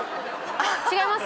違います？